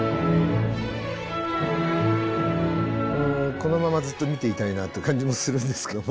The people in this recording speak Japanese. このままずっと見ていたいなって感じもするんですけども。